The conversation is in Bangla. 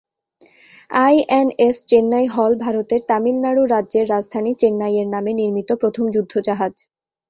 আইএনএস চেন্নাই হ'ল ভারতের তামিলনাড়ু রাজ্যের রাজধানী চেন্নাইয়ের নামে নির্মিত প্রথম যুদ্ধজাহাজ।